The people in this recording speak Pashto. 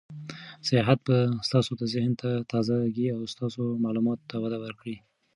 سیاحت به ستاسو ذهن ته تازه ګي او ستاسو معلوماتو ته وده ورکړي.